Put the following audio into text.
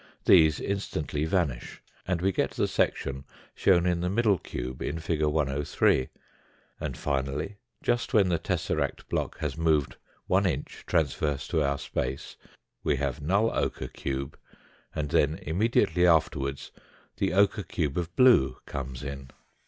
these instantly vanish, and we get the section shown in the middle cube in fig. 103, and finally, just when the tesseract block has moved one inch trans verse to our space, we have null ochre cube, and then immediately afterwards the ochre cube of blue comes in.